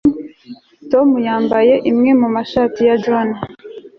Tom yambaye imwe mu mashati ya John